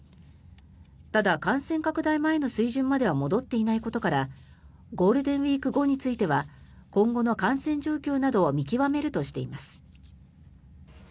ただ、感染拡大前の水準までは戻っていないことからゴールデンウィーク後については今後の感染状況などを見極めるとしています。